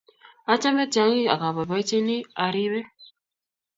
Achame tyong'ik ak apoipoenjini aripe